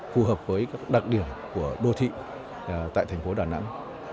phù hợp với các đặc điểm của đô thị tại thành phố đà nẵng